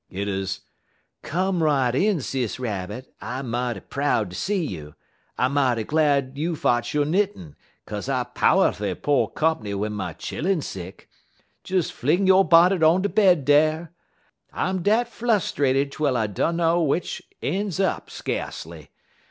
It 'uz: "'Come right in, Sis Rabbit! I mighty proud to see you. I mighty glad you fotch yo' knittin', 'kaze I'm pow'ful po' comp'ny w'en my chillun sick. Des fling yo' bonnet on de bed dar. I'm dat flustrated twel I dunner w'ich een's up, skacely.